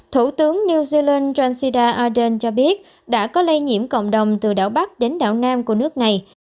thủ tướng new zealand jancida ardern cho biết đã có lây nhiễm cộng đồng từ đảo bắc đến đảo nam của nước này